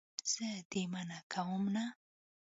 زه دې منع کومه نه.